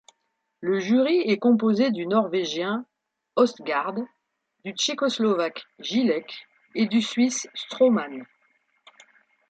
Le jury est composé du Norvégien Østgaard, du Tchécoslovaque Jilek et du Suisse Straumann.